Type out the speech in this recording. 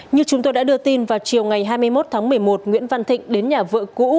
như chúng tôi đã đưa tin vào chiều ngày hai mươi một tháng một mươi một nguyễn văn thịnh đến nhà vợ cũ